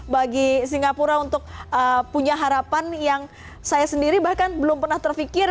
bagi singapura untuk punya harapan yang saya sendiri bahkan belum pernah terfikir